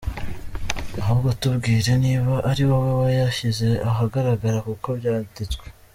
Ahubwo tubwire niba ari wowe wayashyize ahagaragara nkuko byanditswe.